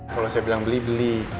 kalau saya bilang beli beli